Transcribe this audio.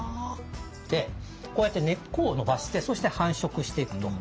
でこうやって根っこを伸ばしてそして繁殖していくと。